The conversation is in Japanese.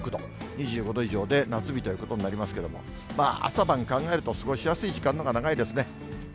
２５度以上で夏日ということになりますけども、朝晩考えると過ごしやすい時間のほうが長いですね。